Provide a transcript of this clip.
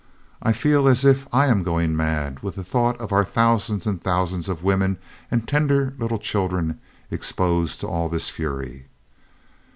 "I feel as if I am going mad with the thought of our thousands and thousands of women and tender little children exposed to all this fury....